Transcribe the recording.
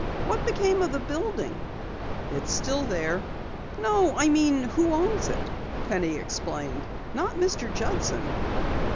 "What became of the building?" "It's still there." "No, I mean who owns it," Penny explained. "Not Mr. Judson?"